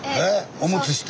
⁉おむつして。